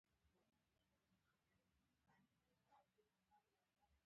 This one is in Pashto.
زړګيه ستا د خوئيدو په هر قدم وئيره ده